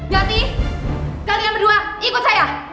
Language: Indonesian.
ganti kalian berdua ikut saya